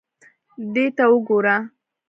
دې ته وګوره.